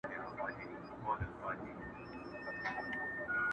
بل وايي دود بل وايي جرم.